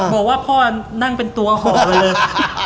บอกว่าพ่อนั่งเป็นตัวห่อเลย